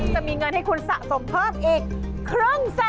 จะมีเงินให้คุณสะสมเพิ่มอีกครึ่งแสน